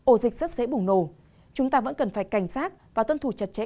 ổ dịch rất dễ bùng nổ chúng ta vẫn cần phải cảnh sát và tuân thủ chặt chẽ